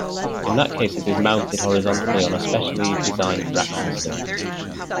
In that case it is mounted horizontally on a specially designed rack system.